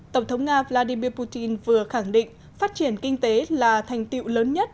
tổng thống nga vladimir putin vừa khẳng định phát triển kinh tế là thành tiệu lớn nhất